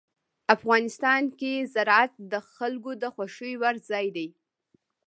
افغانستان کې زراعت د خلکو د خوښې وړ ځای دی.